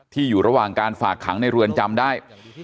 อยู่ระหว่างการฝากขังในเรือนจำได้